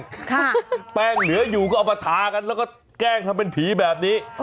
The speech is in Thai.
แป้งเหนืออยู่ก็เอามาทากันแล้วก็แกล้งทำเป็นผีแบบนี้